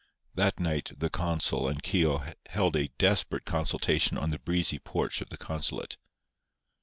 That night the consul and Keogh held a desperate consultation on the breezy porch of the consulate.